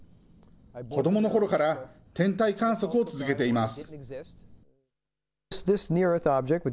子どものころから天体観測を続けています。